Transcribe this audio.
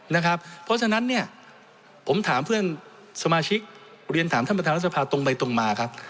เพราะฉะนั้นเนี่ยผมถามเพื่อนสมาชิกเรียนถามท่านประธานรัฐสภาตรงไปตรงมาครับ